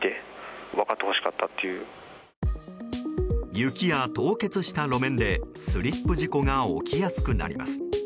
雪や凍結した路面でスリップ事故が起きやすくなります。